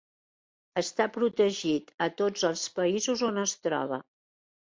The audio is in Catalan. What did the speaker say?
Està protegit a tots els països on es troba.